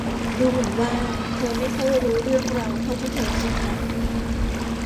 ดูเหมือนว่าเธอไม่ค่อยรู้เรื่องเราเท่าที่เธอคิดนะ